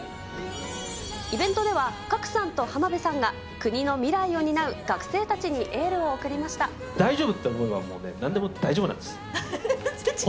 イベントでは、賀来さんと浜辺さんが国の未来を担う学生たちにエ大丈夫って思えば、もう、なんでも大丈夫なんです。